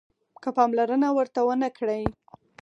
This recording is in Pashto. که پاملرنه ورته ونه کړئ